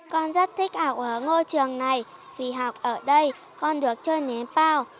con rất thích học ở ngôi trường này vì học ở đây con được chơi nến bao